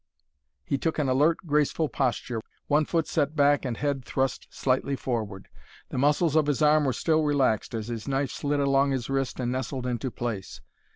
He took an alert, graceful posture, one foot set back and head thrust slightly forward. The muscles of his arm were still relaxed as his knife slid along his wrist and nestled into place.